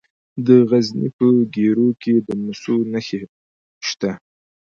د غزني په ګیرو کې د مسو نښې شته.